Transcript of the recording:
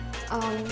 dia mau panggil dia